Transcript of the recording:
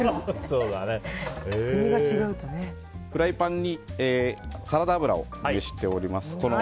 フライパンにサラダ油を熱しております。